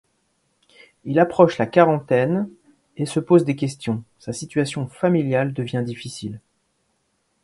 Il approche la quarantaine et se pose des questions, sa situation familiale devient difficile.